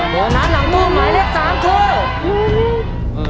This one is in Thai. โบนัสหลังตู้หมายเลข๓คือ